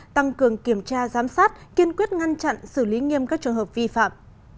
tăng cường kiểm tra giám sát kiên quyết ngăn chặn xử lý nghiêm các trường hợp vi phạm